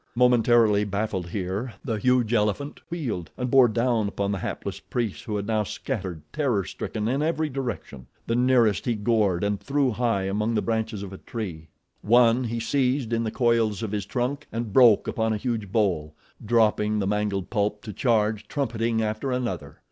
Momentarily baffled here, the huge elephant wheeled and bore down upon the hapless priests who had now scattered, terror stricken, in every direction. The nearest he gored and threw high among the branches of a tree. One he seized in the coils of his trunk and broke upon a huge bole, dropping the mangled pulp to charge, trumpeting, after another.